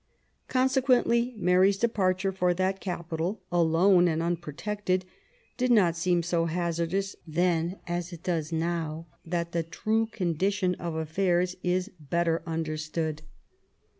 Consequently Mary's departure for that capital, alone and unprotected, did not seem so hazardous then as it does now that the true condition of affairs is better understood.